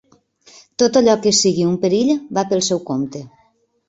Tot allò que sigui un perill, va pel seu compte.